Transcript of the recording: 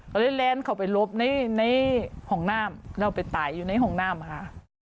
เขาเลยแลนด์เขาไปรวบในห่องน่ามแล้วไปตายอยู่ในห่องน่ามค่ะ